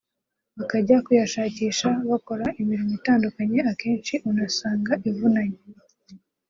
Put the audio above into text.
bakajya kuyashakisha bakora imirimo itandukanye akenshi unasanga ivunanye